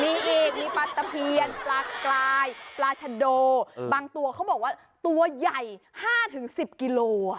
มีอีกมีปลาตะเพียนปลากลายปลาชะโดบางตัวเขาบอกว่าตัวใหญ่๕๑๐กิโล